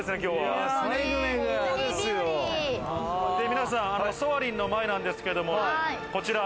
皆さん、ソアリンの前なんですけれども、こちら。